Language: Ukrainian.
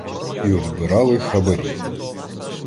І одбирали хабарі.